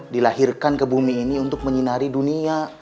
dilahirkan ke bumi ini untuk menyinari dunia